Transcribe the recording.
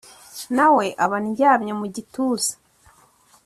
Nawe aba andyamye mu gituza,